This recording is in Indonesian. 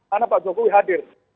karena pak jokowi hadir